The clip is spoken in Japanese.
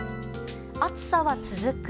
暑さは続く。